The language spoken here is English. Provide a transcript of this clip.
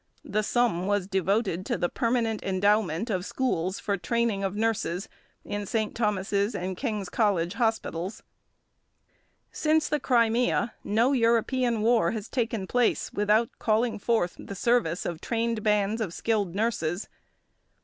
The sum was devoted to the permanent endowment of schools for the training of nurses in St. Thomas's and King's College Hospitals. Since the Crimea no European war has taken place without calling forth the service of trained bands of skilled nurses.